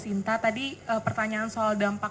sinta tadi pertanyaan soal dampak